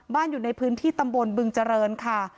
อยู่ในพื้นที่ตำบลบึงเจริญค่ะ